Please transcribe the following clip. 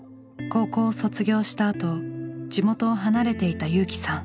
高校を卒業したあと地元を離れていた友紀さん。